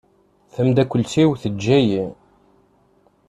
Tamdakelt-iw teǧǧa-yi.